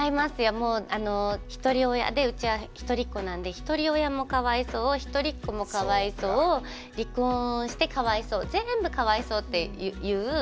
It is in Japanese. もうひとり親でうちはひとりっ子なんでひとり親もかわいそうひとりっ子もかわいそう離婚してかわいそう全部かわいそうっていう感じで言われたりとか。